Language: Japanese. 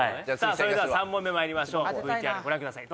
それでは３問目まいりましょうＶＴＲご覧ください